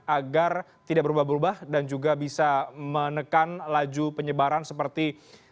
agar tidak berubah berubah dan juga bisa menekan laju penyebaran seperti